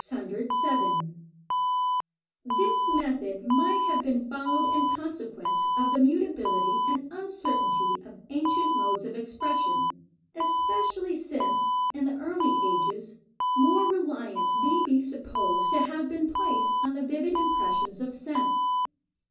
This method might have been followed in consequence of the mutability and uncertainty of ancient modes of expression, especially since, in the early ages, more reliance may be supposed to have been placed on the vivid impressions of sense.